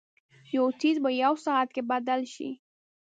یو څیز په یوه ساعت کې بدل شي.